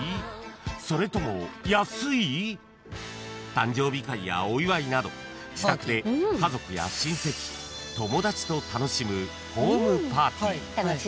［誕生日会やお祝いなど自宅で家族や親戚友達と楽しむホームパーティー］